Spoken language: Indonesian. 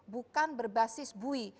bukan berbasis bui